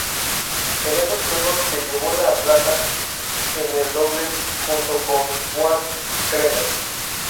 En esos juegos, se llevó la plata en el dobles, junto a Boaz Kremer.